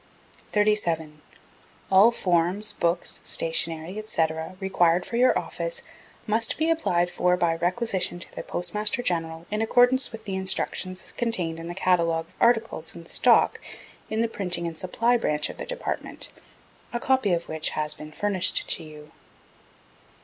37. All forms, books, stationery, &c., required for your office must be applied for by requisition to the Postmaster General in accordance with the Instructions contained in the Catalogue of articles in stock in the Printing and Supply Branch of the Department, a copy of which has been furnished to you.